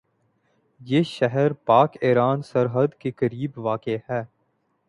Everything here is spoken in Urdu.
یہ شہر پاک ایران سرحد کے قریب واقع ہے